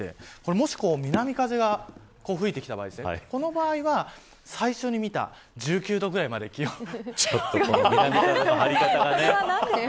もし南風が吹いてきた場合最初に見た１９度ぐらいまで気温が。